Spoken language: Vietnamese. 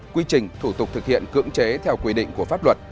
quy trình thủ tục thực hiện cưỡng chế theo quy định của pháp luật